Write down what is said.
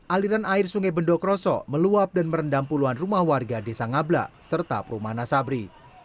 aliran air sungai bendok roso meluap dan merendam puluhan rumah warga desa ngabla serta perumahan nasabri